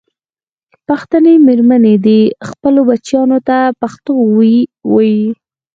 پښتنې مېرمنې دې خپلو بچیانو ته پښتو ویې ویي.